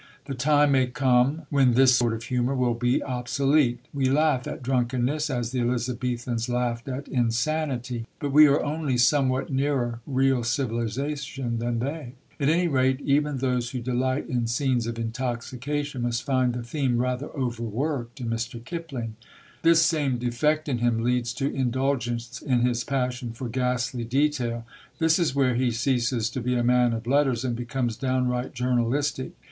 The time may come when this sort of humour will be obsolete. We laugh at drunkenness, as the Elizabethans laughed at insanity, but we are only somewhat nearer real civilisation than they. At any rate, even those who delight in scenes of intoxication must find the theme rather overworked in Mr. Kipling. This same defect in him leads to indulgence in his passion for ghastly detail. This is where he ceases to be a man of letters, and becomes downright journalistic.